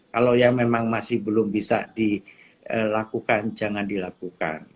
kalau yang memang masih belum bisa dilakukan jangan dilakukan